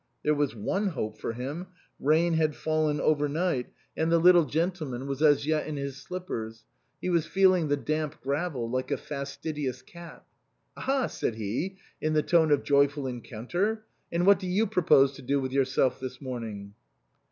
There was one hope for him. Rain had fallen over night, and the little gentleman 41 THE COSMOPOLITAN was as yet in his slippers ; he was feeling the damp gravel like a fastidious cat. " Ah ha !" said he, in the tone of joyful encounter. "And what do you propose to do with yourself this morning?"